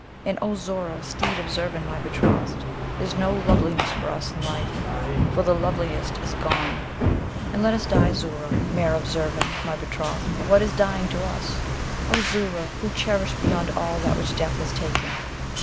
And O Zoora, steed of Zurvan my betrothed, there's no loveliness for us in life, for the loveliest is gone; and let us die, Zoora, mare of Zurvan my betrothed, for what is dying to us, O Zoora, who cherish beyond all that which death has taken?'